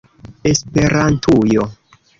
esperantujo